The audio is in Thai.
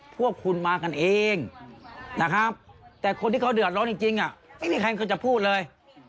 พวกคุณมากันเองนะครับแต่คนที่เขาเดือดร้อนจริงไม่มีใครเคยจะพูดเลย